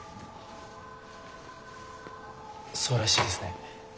そうらしいですね。